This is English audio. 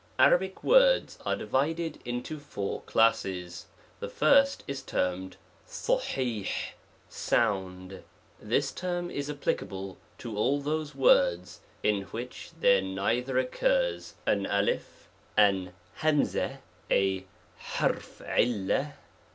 ARABIC words are divided into four classes ; the first is termed *^v*> sound ; this term is appli cable to all those words in which there neither oc * curs an / a cJLcc J or two similar letters.